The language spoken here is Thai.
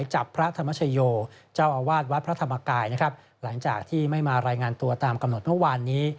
หลังจากที่ไม่มารายงานตัวตามกำหนดเมื่อวานนี้